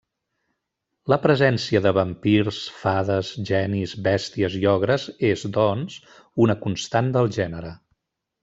La presència de vampirs, fades, genis, bèsties i ogres és, doncs, una constant del gènere.